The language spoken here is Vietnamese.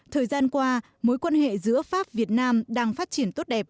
thời gian qua mối quan hệ giữa pháp việt nam đang phát triển tốt đẹp